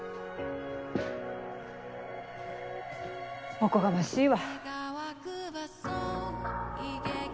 おこがましいわ。